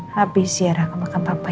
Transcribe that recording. habis siaran ke makan papaya